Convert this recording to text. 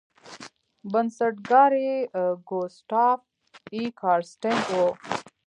بنسټګر یې ګوسټاف ای کارستن و.